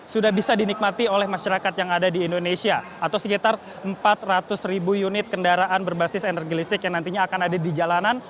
sudah bisa dinikmati oleh masyarakat yang ada di indonesia atau sekitar empat ratus ribu unit kendaraan berbasis energi listrik yang nantinya akan ada di jalanan